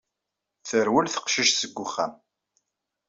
Terwel teqcict seg wexxam.